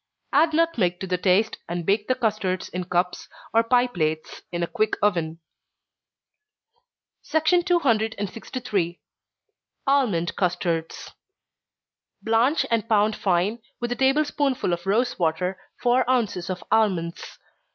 Add nutmeg to the taste, and bake the custards in cups or pie plates, in a quick oven. 263. Almond Custards. Blanch and pound fine, with a table spoonful of rosewater, four ounces of almonds.